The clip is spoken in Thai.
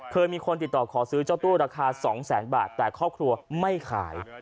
เคยมีคนติดต่อขอซื้อเจ้าตู้ราคา๒แสนบาทแต่ครอบครัวไม่ขาย